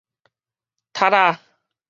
踢仔